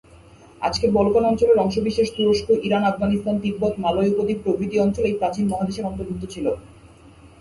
আজকের বলকান অঞ্চলের অংশবিশেষ, তুরস্ক, ইরান, আফগানিস্তান, তিব্বত, মালয় উপদ্বীপ, প্রভৃতি অঞ্চল এই প্রাচীন মহাদেশের অন্তর্ভুক্ত ছিল।